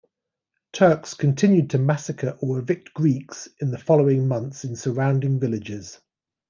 Turks continued to massacre or evict Greeks in the following months in surrounding villages.